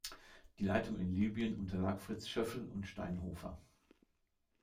Die Leitung in Libyen unterlag Fritz Schöffel und Steinhofer.